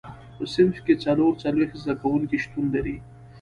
په صنف کې څلور څلوېښت زده کوونکي شتون لري.